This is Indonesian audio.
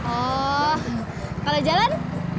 oh kalau jalan